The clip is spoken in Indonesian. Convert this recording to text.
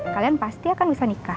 kalian pasti akan bisa nikah